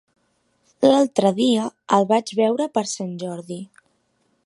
L'altre dia el vaig veure per Sant Jordi.